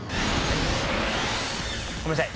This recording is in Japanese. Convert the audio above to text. ごめんなさい。